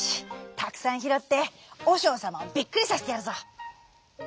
たくさんひろっておしょうさまをびっくりさせてやるぞ！」。